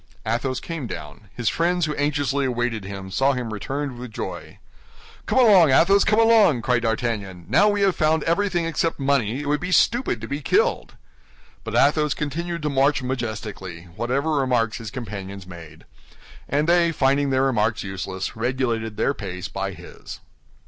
Athos came down; his friends, who anxiously awaited him, saw him returned with joy. "Come along, Athos, come along!" cried D'Artagnan; "now we have found everything except money, it would be stupid to be killed." But Athos continued to march majestically, whatever remarks his companions made; and they, finding their remarks useless, regulated their pace by his.